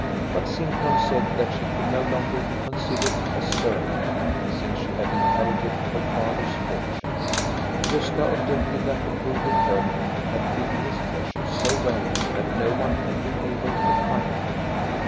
But Sintram said that she could no longer be considered as servant, since she had inherited her father's fortune. Gosta objected that the Broby clergyman had hidden his treasures so well that no one had been able to find them.